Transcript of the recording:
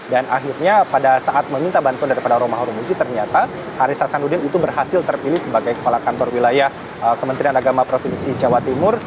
dan akhirnya pada saat meminta bantuan daripada romahur muzi ternyata haris hasan udin itu berhasil terpilih sebagai kepala kantor wilayah kementerian agama provinsi jawa timur